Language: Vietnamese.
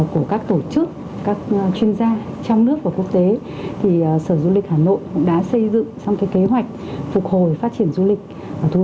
của các tổ chức các chuyên gia trong nước và quốc tế thì sở du lịch hà nội cũng đã xây dựng xong kế hoạch phục hồi phát triển du lịch